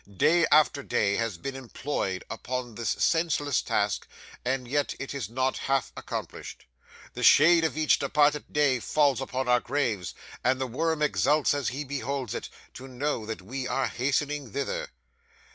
Day after day has been employed upon this senseless task, and yet it is not half accomplished. The shade of each departed day falls upon our graves, and the worm exults as he beholds it, to know that we are hastening thither.